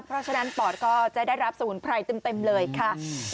เพราะฉะนั้นปอดก็จะได้รับสมุนไพรเต็มเลยค่ะ